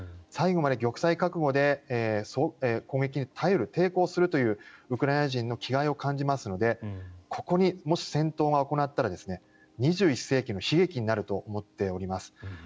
最後まで玉砕覚悟で攻撃に耐える、抵抗するというウクライナ人の気概を感じますのでここでもし戦闘が行ったら２１世紀の悲劇になると思っております。